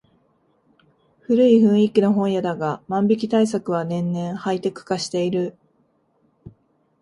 古い雰囲気の本屋だが万引き対策は年々ハイテク化している